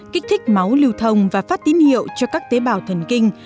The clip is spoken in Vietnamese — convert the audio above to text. kích thích máu lưu thông và phát tín hiệu cho các tế bào thần kinh